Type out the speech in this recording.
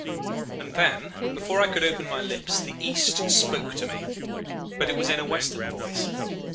"And then, before I could open my lips, the East spoke to me, but it was in a Western voice.